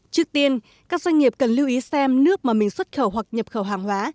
trước tiên các doanh nghiệp cần lưu ý xem nước mà mình xuất khẩu hoặc nhập khẩu hàng hóa